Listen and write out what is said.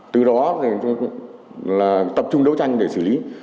từ đó tập trung đấu tranh để xử lý